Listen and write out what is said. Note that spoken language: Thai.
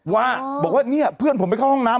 ว่าบอกว่าเนี่ยเพื่อนผมไปเข้าห้องน้ำ